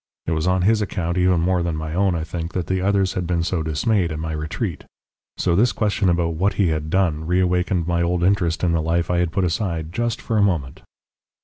It was on his account even more than my own, I think, that the others had been so dismayed at my retreat. So this question about what he had done reawakened my old interest in the life I had put aside just for a moment.